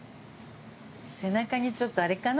背中にちょっとあれかな？